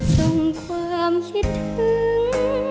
ส่งความคิดถึง